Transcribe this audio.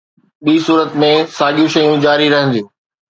ٻي صورت ۾، ساڳيون شيون جاري رهنديون.